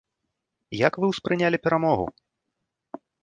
Як вы ўспрынялі перамогу?